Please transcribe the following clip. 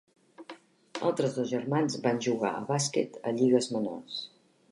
Altres dos germans van jugar al bàsquet a lligues menors.